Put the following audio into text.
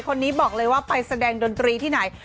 คนนี้บอกเลยว่าไปแสดงดนตรีที่ไหน